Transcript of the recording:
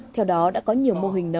theo đó đã có nhiều mô hình nấm